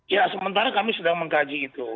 ya sementara kami sedang mengkaji itu